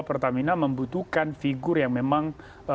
pertamina membutuhkan figur yang memang